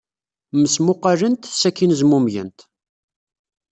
Mmesmuqqalent, sakkin zmumgent.